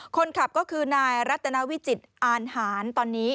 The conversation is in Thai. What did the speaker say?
คนขับก็คือนายรัตนาวิจิตอานหารตอนนี้